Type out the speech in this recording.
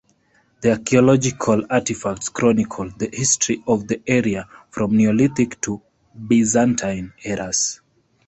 The archaeological artifacts chronicle the history of the area from Neolithic to Byzantine eras.